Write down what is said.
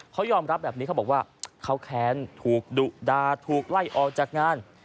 เขายอมรับแบบนี้เขาบอกว่าเขาแค้นถูกดุดาถูกไล่ออกจากงาน